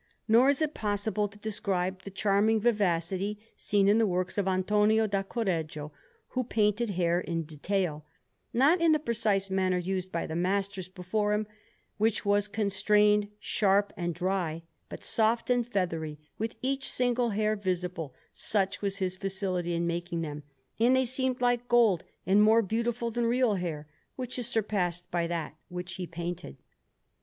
Nor is it possible to describe the charming vivacity seen in the works of Antonio da Correggio, who painted hair in detail, not in the precise manner used by the masters before him, which was constrained, sharp, and dry, but soft and feathery, with each single hair visible, such was his facility in making them; and they seemed like gold and more beautiful than real hair, which is surpassed by that which he painted.